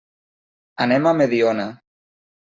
Anem a Mediona.